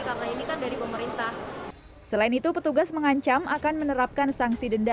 karena ini kan dari pemerintah selain itu petugas mengancam akan menerapkan sanksi denda